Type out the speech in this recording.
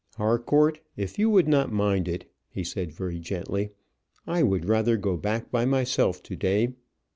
"Harcourt, if you would not mind it," he said, very gently, "I would rather go back by myself to day.